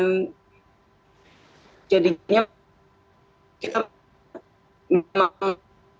dan jadinya kita memang